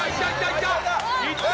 いった！